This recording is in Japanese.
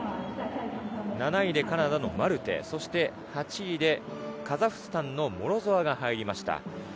７位でカナダのマルテ、そして８位でカザフスタンのモロゾワが入りました。